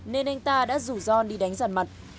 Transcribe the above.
nên anh ta đã rủ john đi đánh giản mặt